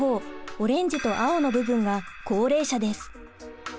オレンジと青の部分が高齢者です。